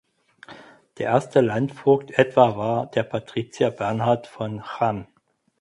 Der erste Landvogt etwa war der Patrizier Bernhard von Cham.